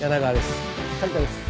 苅田です。